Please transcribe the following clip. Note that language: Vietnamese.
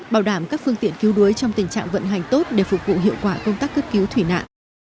bảo đảm các phương tiện cứu đuối trong tình trạng vận hành tốt để phục vụ hiệu quả công tác cứu thủy nạn